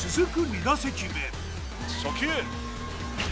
２打席目初球